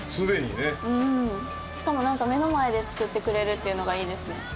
しかもなんか目の前で作ってくれるっていうのがいいですね。